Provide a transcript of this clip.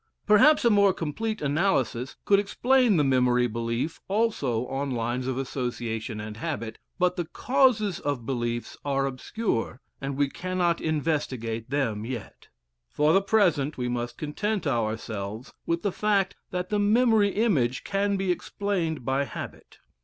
Perhaps a more complete analysis could explain the memory belief also on lines of association and habit, but the causes of beliefs are obscure, and we cannot investigate them yet. For the present we must content ourselves with the fact that the memory image can be explained by habit.